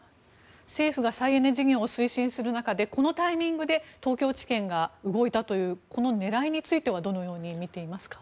政府が再エネ事業を推進する中でこのタイミングで東京地検が動いたというこの狙いについてはどのようにみていますか？